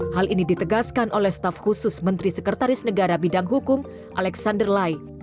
hal ini ditegaskan oleh staf khusus menteri sekretaris negara bidang hukum alexander lai